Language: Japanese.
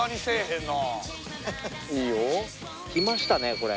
きましたねこれ。